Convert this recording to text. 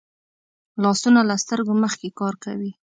لاسونه له سترګو مخکې کار کوي